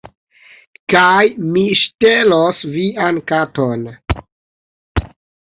Kaj mi ŝtelos vian katon